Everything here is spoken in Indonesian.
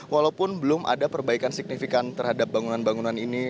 walaupun belum ada perbaikan signifikan terhadap bangunan bangunan ini